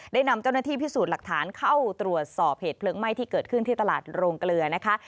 นำเจ้าหน้าที่พิสูจน์หลักฐานเข้าตรวจสอบเหตุเพลิงไหม้ที่เกิดขึ้นที่ตลาดโรงเกลือนะคะ